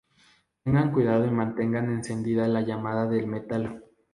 Tengan cuidado y mantengan encendida la llama del metal.